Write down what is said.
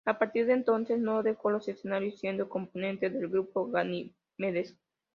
A partir de entonces, no dejó los escenarios, siendo componente del grupo "Ganímedes".